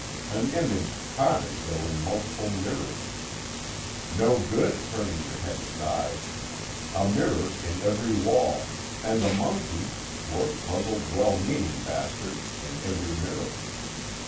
An image caught as though in multiple mirrors. No good turning your head aside: a mirror in every wall, and the monkey, poor puzzled well meaning bastard, in every mirror.